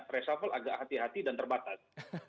reshuffle agak hati hati dan terbatas